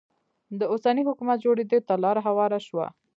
د اوسني حکومت جوړېدو ته لاره هواره شوه.